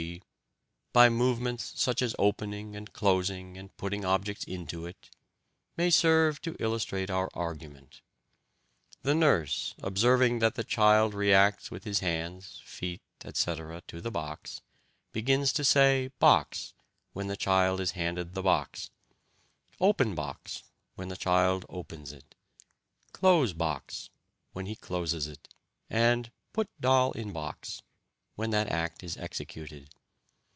g. by movements such as opening and closing and putting objects into it, may serve to illustrate our argument. The nurse, observing that the child reacts with his hands, feet, etc., to the box, begins to say 'box' when the child is handed the box, 'open box' when the child opens it, 'close box' when he closes it, and 'put doll in box' when that act is executed.